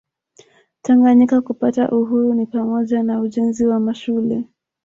Tanganyika kupata uhuru ni pamoja na ujenzi wa mashule